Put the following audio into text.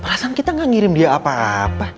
perasaan kita gak ngirim dia apa apa